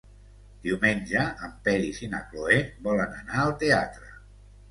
Diumenge en Peris i na Cloè volen anar al teatre.